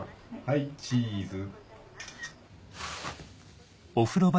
はいチーズ。